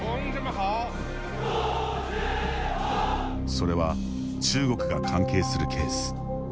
それは中国が関係するケース。